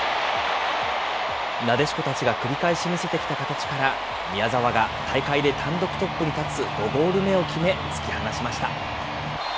なでしこたちが繰り返し見せてきた形から、宮澤が大会で単独トップに立つ５ゴール目を決め、突き放しました。